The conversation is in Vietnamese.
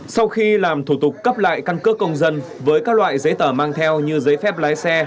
sau khi làm thủ tục cấp lại căn cước công dân với các loại giấy tờ mang theo như giấy phép lái xe